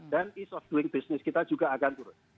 dan ease of doing business kita juga akan turun